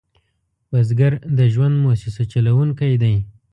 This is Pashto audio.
بزګر د ژوند موسسه چلوونکی دی